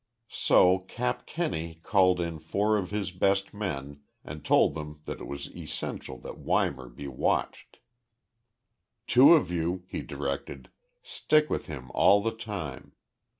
So Cap Kenney called in four of his best men and told them that it was essential that Weimar be watched. "Two of you," he directed, "stick with him all the time.